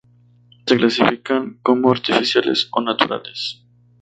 Se clasifican como "artificiales" o "naturales".